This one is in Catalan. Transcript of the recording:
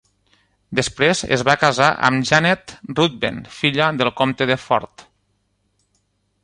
Després es va casar amb Janet Ruthven, filla del comte de Forth.